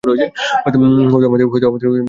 হয়তো আমাদের ভিতরে বসে খাওয়া উচিত।